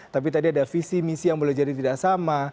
tapi tadi ada visi misi yang boleh jadi tidak sama